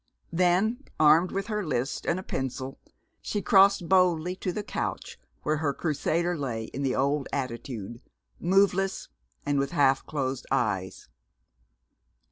Then, armed with her list and a pencil, she crossed boldly to the couch where her Crusader lay in the old attitude, moveless and with half closed eyes.